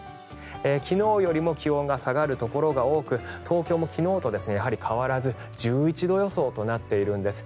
昨日よりも気温が下がるところが多く東京も昨日と変わらず１１度予想となっているんです。